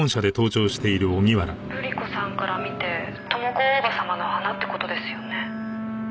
「瑠璃子さんから見て朋子大叔母様の花って事ですよね」